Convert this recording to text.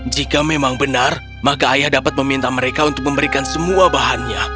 jika memang benar maka ayah dapat meminta mereka untuk memberikan semua bahannya